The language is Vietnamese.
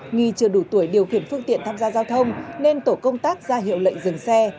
nghi chưa đủ tuổi điều khiển phương tiện tham gia giao thông nên tổ công tác ra hiệu lệnh dừng xe